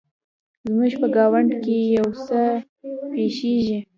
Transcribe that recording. زموږ په ګاونډ کې يو څه پیښیږي